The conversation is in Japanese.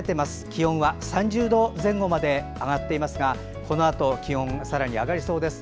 気温は３０度前後まで上がっていますがこのあと、気温がさらに上がりそうです。